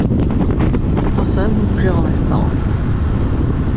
To se, bohužel, nestalo.